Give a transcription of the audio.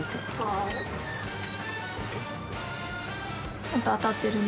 ちゃんと当たってるね。